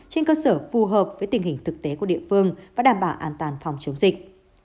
trên cơ sở phù hợp với tình hình thực tế của địa phương và đảm bảo an toàn phòng chống dịch